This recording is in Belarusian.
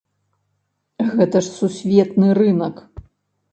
Гэта ж сусветны рынак!